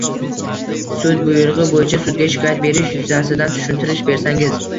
Sud buyrug‘i bo‘yicha sudga shikoyat berish yuzasidan tushuntirish bersangiz?